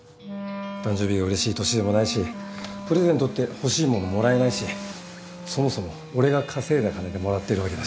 誕生日がうれしい年でもないしプレゼントって欲しい物もらえないしそもそも俺が稼いだ金でもらってるわけだし